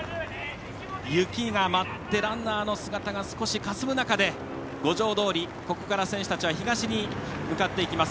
雪が待って、ランナーの姿がかすむ中で五条通、ここから選手たちは東に向かっていきます。